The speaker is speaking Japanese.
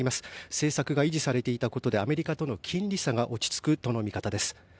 政策が維持されていたことでアメリカとの金利差が落ち着くとの見方です。